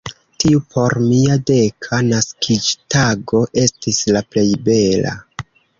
Tiu por mia deka naskiĝtago estis la plej bela.